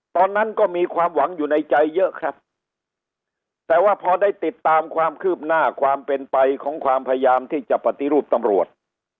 ตอนนั้นก็มีความหวังอยู่ในใจเยอะครับแต่ว่าพอได้ติดตามความคืบหน้าความเป็นไปของความพยายามที่จะปฏิรูปตำรวจ